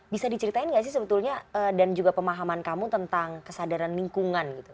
bisa diceritain nggak sih sebetulnya dan juga pemahaman kamu tentang kesadaran lingkungan gitu